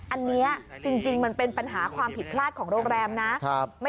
อันนี้จริงมันเป็นปัญหาความผิดพลาดของโรงแรมนะ